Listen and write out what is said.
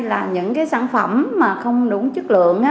là những cái sản phẩm mà không đúng chất lượng